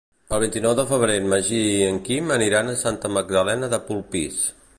El vint-i-nou de febrer en Magí i en Quim aniran a Santa Magdalena de Polpís.